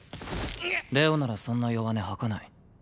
玲王ならそんな弱音吐かない。